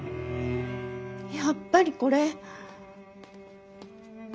やっぱりこれ。